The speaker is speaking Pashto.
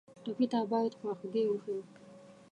ټپي ته باید خواخوږي وښیو.